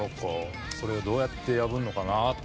それをどうやって破るのかなって。